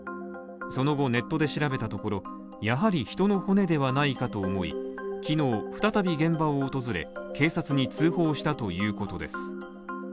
その後、ネットで調べたところ、やはり人の骨ではないかと思い、昨日再び現場を訪れ、警察に通報したということです。